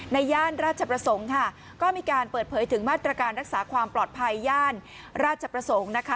ย่านราชประสงค์ค่ะก็มีการเปิดเผยถึงมาตรการรักษาความปลอดภัยย่านราชประสงค์นะคะ